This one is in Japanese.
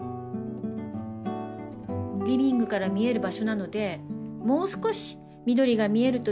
リビングから見える場所なのでもう少し緑が見えるといいなって思っています。